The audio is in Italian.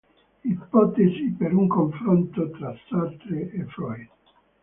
Ipotesi per un confronto tra Sartre e Freud".